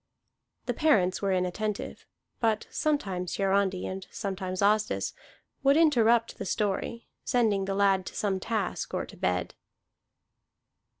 The parents were inattentive; but sometimes Hiarandi, and sometimes Asdis, would interrupt the story, sending the lad to some task or to bed.